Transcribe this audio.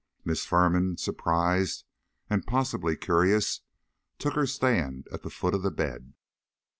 Miss Firman, surprised, and possibly curious, took her stand at the foot of the bed.